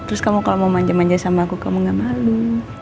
terus kamu kalau mau manjam manja sama aku kamu gak malu